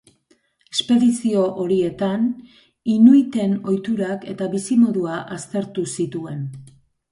Espedizio horietan, inuiten ohiturak eta bizimodua aztertu zituen.